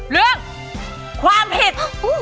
เรื่องความผิด